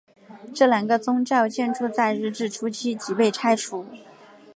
这两个宗教建筑在日治初期即被拆除。